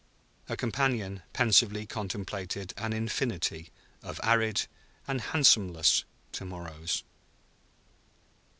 Her companion pensively contemplated an infinity of arid and hansom less to morrows.